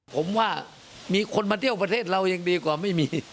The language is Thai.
ผมว่ามีคนมาเที่ยวประเทศเรายังดีกว่าไม่มี